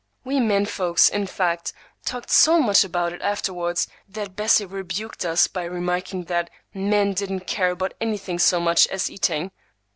We men folks, in fact, talked so much about it afterwards, that Bessie rebuked us by remarking that "men didn't care about anything so much as eating."